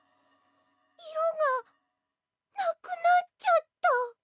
いろがなくなっちゃった。